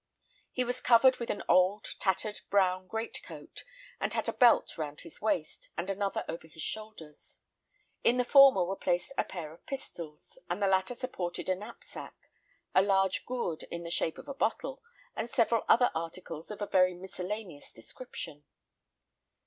He was covered with an old, tattered, brown great coat, and had a belt round his waist, and another over his shoulders. In the former were placed a pair of pistols; and the latter supported a knapsack, a large gourd in the shape of a bottle, and several other articles of a very miscellaneous description.